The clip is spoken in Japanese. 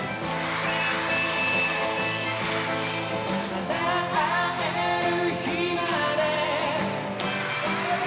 「またあえる日まで」